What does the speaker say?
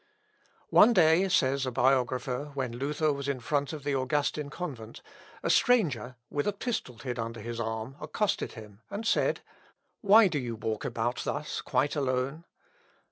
] "One day," says a biographer, "when Luther was in front of the Augustin convent, a stranger, with a pistol hid under his arm, accosted him, and said, Why do you walk about thus quite alone?"